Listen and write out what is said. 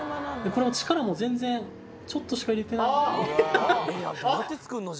力も全然ちょっとしか入れてないのに。